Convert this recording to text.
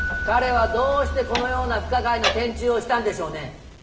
彼はどうしてこのような不可解な転注をしたんでしょうね